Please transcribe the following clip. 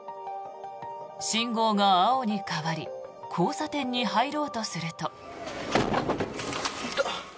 信号が青に変わり交差点に入ろうとすると。